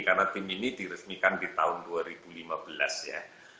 karena tim ini diresmikan di tahun dua ribu lima belas ya